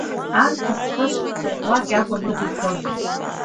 Арԥыс хышк, ӷәӷәак иакәын уи дызгоз.